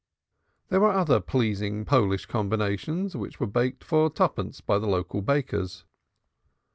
There were other pleasing Polish combinations which were baked for twopence by the local bakers.